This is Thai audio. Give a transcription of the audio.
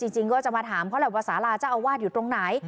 จริงก็จะมาถามเขาแหละว่าสาราเจ้าอาวาสอยู่ตรงไหน